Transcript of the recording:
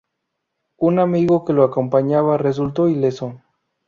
Un amigo que lo acompañaba resultó ileso.